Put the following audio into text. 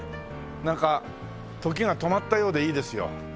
なんか時が止まったようでいいですよ。